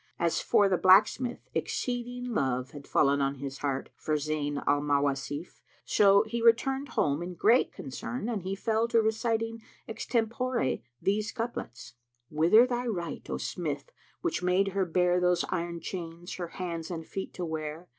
As for the blacksmith, exceeding love had fallen on his heart for Zayn al Mawasif; so he returned home in great concern and he fell to reciting extempore these couplets, "Wither thy right, O smith, which made her bear * Those iron chains her hands and feet to wear!